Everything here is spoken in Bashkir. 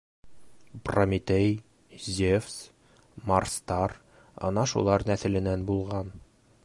Прометей, Зевс, Марстар ана шулар нәҫеленән булған.